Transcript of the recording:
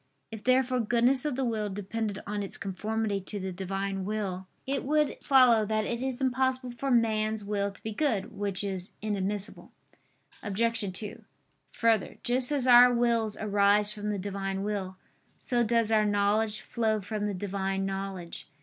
If therefore goodness of the will depended on its conformity to the Divine will, it would follow that it is impossible for man's will to be good. Which is inadmissible. Obj. 2: Further, just as our wills arise from the Divine will, so does our knowledge flow from the Divine knowledge.